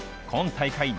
今大会